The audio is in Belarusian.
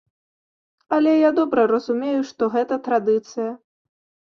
Але я добра разумею, што гэта традыцыя.